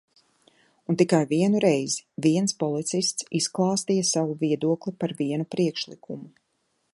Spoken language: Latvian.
Un tikai vienu reizi viens policists izklāstīja savu viedokli par vienu priekšlikumu.